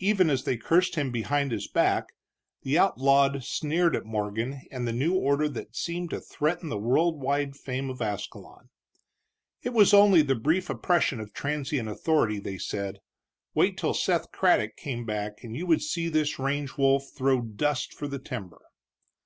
Even as they cursed him behind his back, the outlawed sneered at Morgan and the new order that seemed to threaten the world wide fame of Ascalon. It was only the brief oppression of transient authority, they said; wait till Seth Craddock came back and you would see this range wolf throw dust for the timber.